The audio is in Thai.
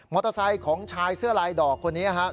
เตอร์ไซค์ของชายเสื้อลายดอกคนนี้ครับ